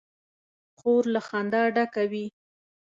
خور له خندا ډکه وي.